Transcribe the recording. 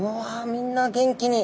みんな元気に。